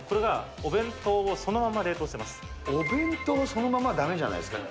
お弁当をそのままはだめじゃないですか。